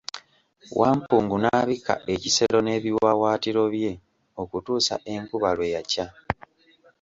Wampungu n'abikka ekisero n'ebiwawaatiro bye okutuusa enkuba lwe yakya.